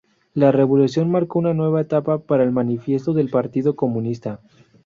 La revolución marcó una nueva etapa para el Manifiesto del Partido Comunista.